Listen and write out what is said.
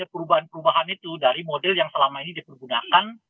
perubahan perubahan itu dari model yang selama ini dipergunakan